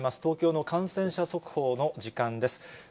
東京の感染者速報の時間です。